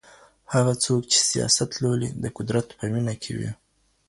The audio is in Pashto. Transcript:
هغه څوک چې سیاست لولي د قدرت په مینه کې وي.